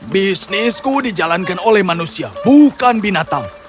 bisnisku dijalankan oleh manusia bukan binatang